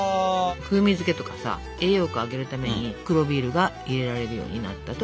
風味付けとかさ栄養価上げるために黒ビールが入れられるようになったと。